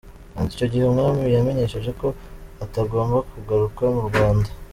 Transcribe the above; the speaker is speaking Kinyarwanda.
Icyo gihe Umwami yamenyeshejwe ko atagomba kugaruka mu Rwanda.